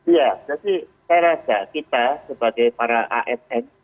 ya tapi saya rasa kita sebagai para asn